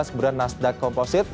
kemudian nasdaq composite